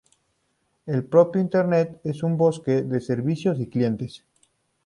El propio Internet es un bosque de servidores y clientes.